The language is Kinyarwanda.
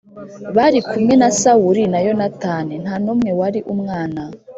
bari kumwe na Sawuli na Yonatani nta n umwe wari umwana